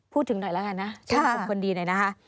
พูดถึงหน่อยแล้วกันนะชื่นชมคนดีหน่อยนะคะ